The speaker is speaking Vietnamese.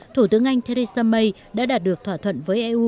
thủ tướng anh theresa may đã đạt được thỏa thuận với eu